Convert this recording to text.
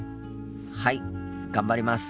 はい頑張ります。